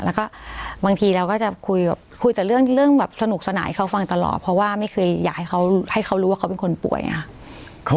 แล้วก็บางทีเราก็จะคุยแต่เรื่องแบบสนุกสนานให้เขาฟังตลอดเพราะว่าไม่เคยอยากให้เขาให้เขารู้ว่าเขาเป็นคนป่วยค่ะ